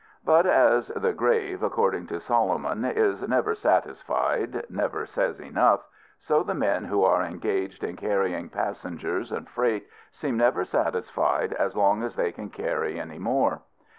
But as the grave, according to Solomon, is never satisfied never says enough so the men who are engaged in carrying passengers and freight seem never satisfied as long as they can carry any more.